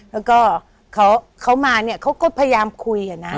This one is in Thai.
แล้วก็เขามาเนี่ยเขาก็พยายามคุยนะ